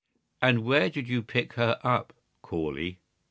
"And where did you pick her up, Corley?"